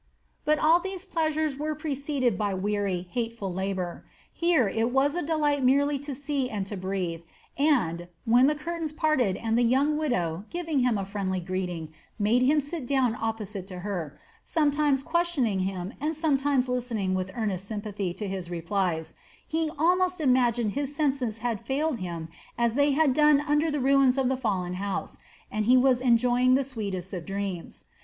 But all these pleasures were preceded by weary, hateful labor; here it was a delight merely to see and to breathe and, when the curtains parted and the young widow, giving him a friendly greeting, made him sit down opposite to her, sometimes questioning him and sometimes listening with earnest sympathy to his replies, he almost imagined his senses had failed him as they had done under the ruins of the fallen house, and he was enjoying the sweetest of dreams.